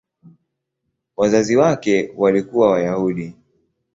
Wazazi wake walikuwa Wayahudi.